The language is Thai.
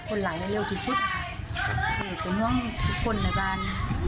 ข้าวมีแรงเพิ่มแต่พี่สาวไม่รู้นะครับ